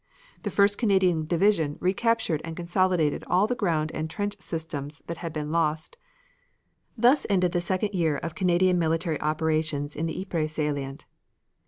The First Canadian Division recaptured and consolidated all the ground and trench systems that had been lost Thus ended the second year of Canadian military operations in the Ypres salient.